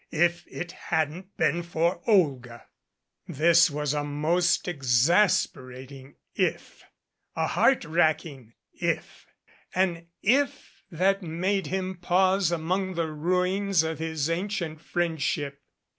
If it hadn't been for Olga! This was a most exasperating if, a heart wracking if, an if that made him pause among the ruins of his ancient friendship.